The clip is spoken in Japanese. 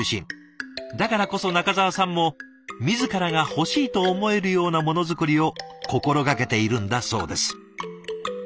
だからこそ仲澤さんも自らが欲しいと思えるようなものづくりを心がけているんだそうです。